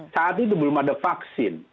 saat itu belum ada vaksin